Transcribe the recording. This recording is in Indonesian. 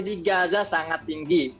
jadi gaza sangat tinggi